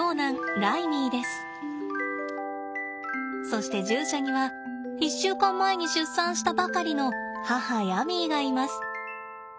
そして獣舎には１週間前に出産したばかりの母ヤミーがいます。